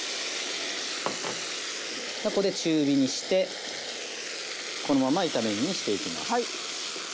ここで中火にしてこのまま炒め煮にしていきます。